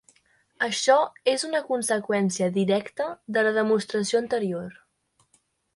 Això és una conseqüència directa de la demostració anterior.